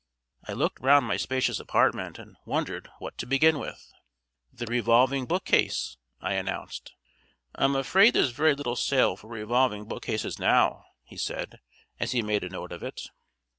I looked round my spacious apartment and wondered what to begin with. "The revolving bookcase," I announced. "I'm afraid there's very little sale for revolving bookcases now," he said, as he made a note of it.